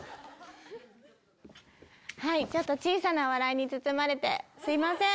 ちょっと小さな笑いに包まれてすいません。